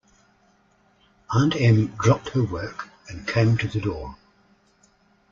Aunt Em dropped her work and came to the door.